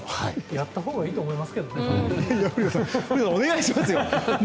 やったほうがいいと思いますけどね。